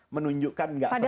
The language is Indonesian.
padahal nggak marah ya itu ya